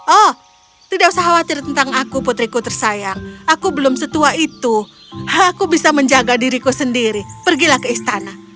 oh tidak usah khawatir tentang aku putriku tersayang aku belum setua itu aku bisa menjaga diriku sendiri pergilah ke istana